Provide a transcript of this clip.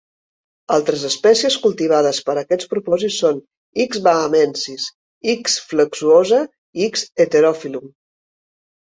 Altres espècies cultivades per a aquests propòsits són "X. bahamensis", "X. flexuosa", i "X. heterophyllum".